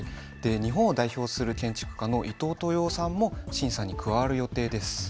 日本を代表する建築家の伊東豊雄さんも審査に加わる予定です。